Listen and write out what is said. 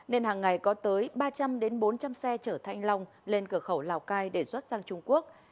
nên hàng ngày có tới ba trăm linh bốn trăm linh xe trở thành lòng lên cửa khẩu lào cải để xuất sang trung quốc